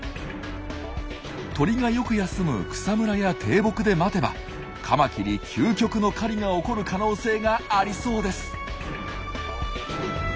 鳥がよく休む草むらや低木で待てばカマキリ究極の狩りが起こる可能性がありそうです！